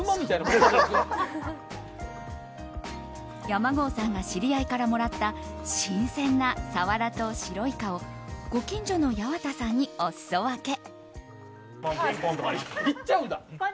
山郷さんが知り合いからもらった新鮮なサワラと白イカをご近所の八幡さんにお裾分け。